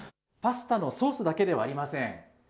パスタのソースだけではありません。